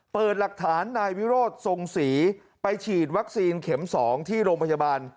เปิดหลักฐานนายวิโรธทรงศรีไปฉีดวัคซีนเข็ม๒ที่โรงพยาบาล